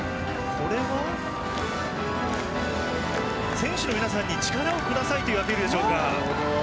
選手の皆さんに力をくださいというアピールでしょうか。